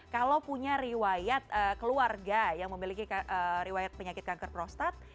kalau punya riwayat keluarga yang memiliki riwayat penyakit kanker prostat